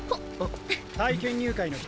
・体験入会の人？